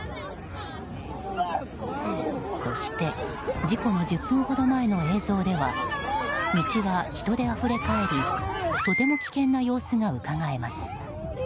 そして、事故の１０分ほど前の映像では道は人であふれ返りとても危険な様子がうかがえます。